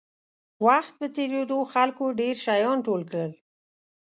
وخت په تېرېدو خلکو ډېر شیان ټول کړل.